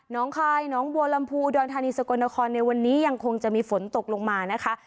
น้องคลายน้องโบรัมภูดรธานีสกนครในวันนี้ยังคงจะมีฝนตกลงมานะคะ